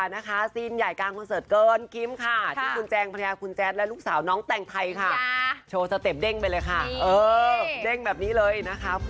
งานนี้นะคะแจงถึงกับแซวเลยนะคะว่า